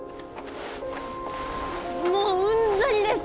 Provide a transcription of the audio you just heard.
もううんざりです